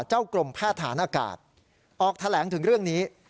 กรมแพทย์ฐานอากาศออกแถลงถึงเรื่องนี้